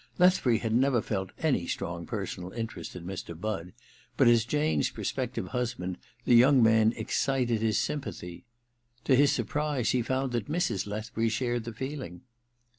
Lethbury had never felt any strong personal interest in Mr. Budd ; but as* Jane's prospective husband the yoimg man excited his sympathy. To his surprise he found that Mrs. Lethbury shared the feeling.